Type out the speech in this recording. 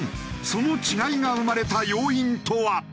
その違いが生まれた要因とは？